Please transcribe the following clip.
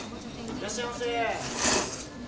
いらっしゃいませ。